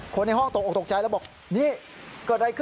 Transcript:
คนในห้องตกออกตกใจแล้วบอก